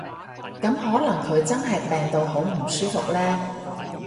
噉可能佢真係病到好唔舒服呢